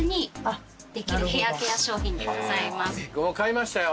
買いましたよ。